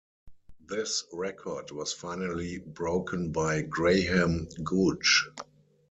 This record was finally broken by Graham Gooch.